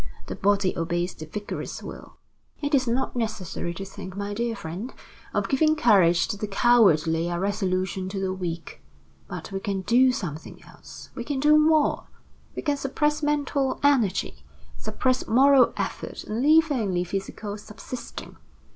The body obeys the vigorous will. "It is not necessary to think, my dear friend, of giving courage to the cowardly or resolution to the weak. But we can do something else, we can do more we can suppress mental energy, suppress moral effort and leave only physical subsisting.